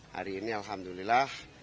hari ini alhamdulillah